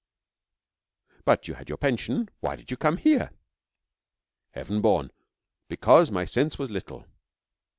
'But you had your pension. Why did you come here?' 'Heaven born, because my sense was little.